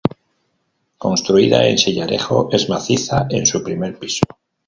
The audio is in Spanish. Construida en sillarejo, es maciza en su primer piso.